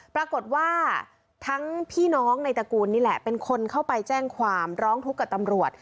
ปรากฏว่าทั้งพี่น้องในตระกูลนี่แหละเป็นคนเข้าไปแจ้งความร้องทุกข์กับตำรวจ